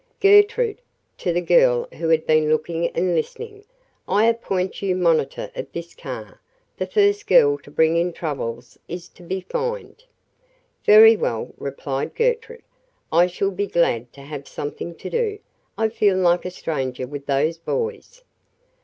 Gertrude," to the girl who had been looking and listening, "I appoint you monitor of this car. The first girl to bring in troubles is to be fined." "Very well," replied Gertrude, "I shall be glad to have something to do. I feel like a stranger with those boys."